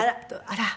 あら！